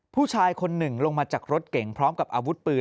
ผู้ชายคนหนึ่งลงมาจากรถเก่งพร้อมกับอาวุธปืน